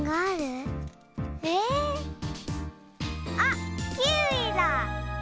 あっキウイだ！